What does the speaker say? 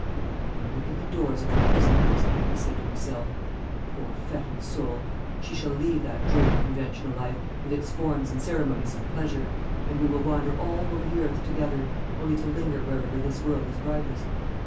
"I will open the doors of her prison house," he said to himself, "poor fettered soul! She shall leave that dreary conventional life, with its forms and ceremonies of pleasure; and we will wander all over the earth together, only to linger wherever this world is brightest.